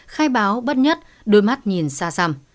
khai báo bất nhất đôi mắt nhìn xa xăm